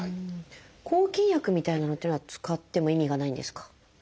抗菌薬みたいなのっていうのは使っても意味がないんですか？